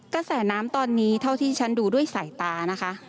กระแสน้ำตอนนี้เท่าที่ฉันดูด้วยสายตานะคะ